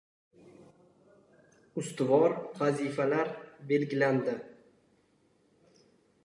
Ustuvor vazifalar belgilandi